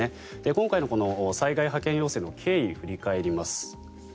今回の災害派遣要請の経緯を振り返ります。